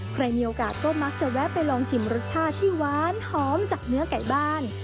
ใครมีโอกาสก็มักจะแวะไปลองชิมรสชาติที่หวานหอมจากเนื้อไก่บ้าน